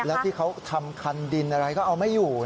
แล้วที่เขาทำคันดินอะไรก็เอาไม่อยู่